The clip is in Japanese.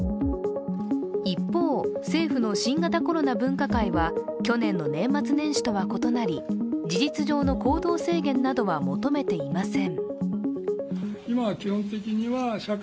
一方、政府の新型コロナ分科会は、去年の年末年始とは異なり事実上の行動制限などは求めていません。